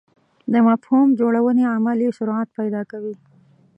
د مفهوم جوړونې عمل یې سرعت پیدا کوي.